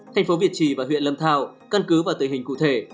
thành phố việt trì và huyện lâm thao căn cứ vào tình hình cụ thể